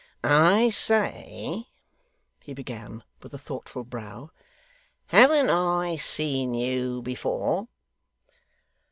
'I say,' he began, with a thoughtful brow, 'haven't I seen you before?